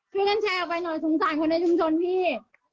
ช่วยกันแชร์ไปหน่อยสงสารคนในชุมชนพี่